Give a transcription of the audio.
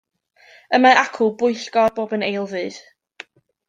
Y mae acw bwyllgor bob yn eilddydd.